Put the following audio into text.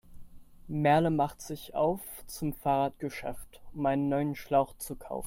Merle macht sich auf zum Fahrradgeschäft, um einen neuen Schlauch zu kaufen.